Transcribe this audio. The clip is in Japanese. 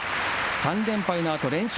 ３連敗のあと連勝。